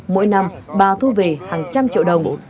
mỗi năm bà thu về hàng trăm triệu đồng